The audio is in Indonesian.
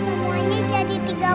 semuanya jadi tiga puluh pak